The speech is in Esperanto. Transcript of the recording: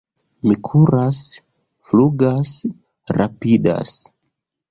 Mi kuras, flugas, rapidas!